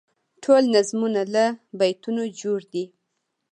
ټول نظمونه له بیتونو جوړ دي.